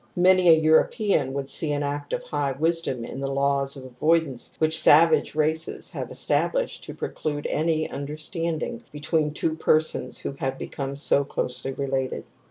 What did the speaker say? Many a European will see an act of high wisdom in the laws of avoidance which savage races have established t o preclude any understanding between two per§;ons who have become so closely related.